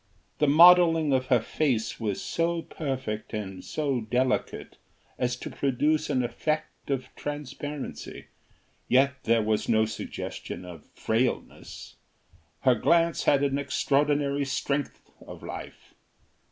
The modelling of her face was so perfect and so delicate as to produce an effect of transparency, yet there was no suggestion of frailness; her glance had an extraordinary strength of life.